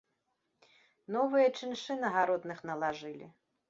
Новыя чыншы на гаротных налажылі.